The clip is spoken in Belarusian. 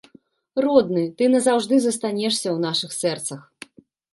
Родны, ты назаўжды застанешся ў нашых сэрцах.